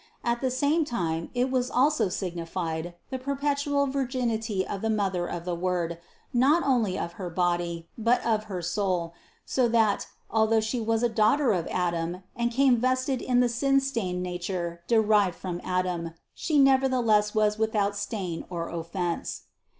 At the same time it also signified the perpetual virginity of the Mother of the Word, not only of her body, but of her soul, so that, although She was a daughter of Adam and came vested in the sin tainted nature derived from Adam, She nevertheless was without stain or offense.